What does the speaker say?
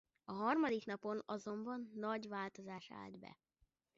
A harmadik napon azonban nagy változás állt be.